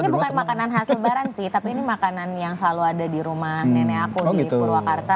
ini bukan makanan khas lebaran sih tapi ini makanan yang selalu ada di rumah nenek aku di purwakarta